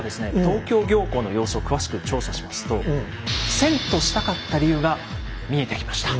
東京行幸の様子を詳しく調査しますと遷都したかった理由が見えてきました。